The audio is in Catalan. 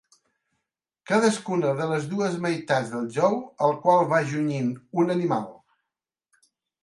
Cadascuna de les dues meitats del jou al qual va junyit un animal.